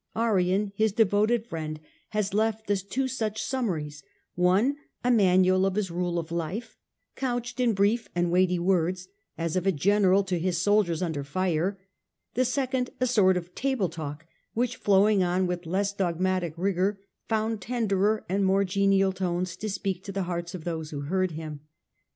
Arrian, his devoted friend, has left us two such summaries ; one a Manual of his Rule of Life, couched in brief and weighty words, as of a general to his soldiers under fire ; the second, a sort of Table Talk, which, flowing on with less dogmatic rigour, found tenderer and more genial tones to speak to the hearts of those who heard him.